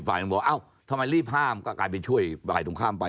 บอกเอ้าทำไมรีบห้ามก็กลายเป็นช่วยฝ่ายตรงข้ามไป